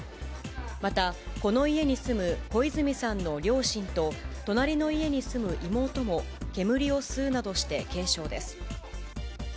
またこの家に住む小泉さんの両親と、隣の家に住む妹も、煙を吸うなどして軽傷です。